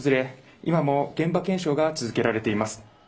今も現場検証が続けられています。